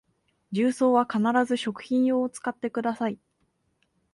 重曹は必ず食品用を使ってください